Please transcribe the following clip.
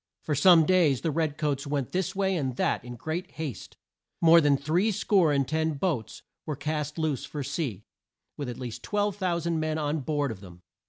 For some days the red coats went this way and that in great haste. More than three score and ten boats were cast loose for sea, with at least 12,000 men on board of them.